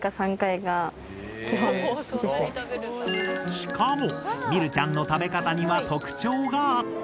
しかも美瑠ちゃんの食べ方には特徴があった。